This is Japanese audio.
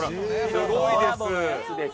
すごいです。